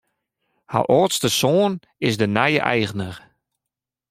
Har âldste soan is de nije eigner.